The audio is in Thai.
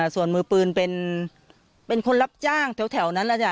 ส่วนมือปืนเป็นคนรับจ้างแถวนั้น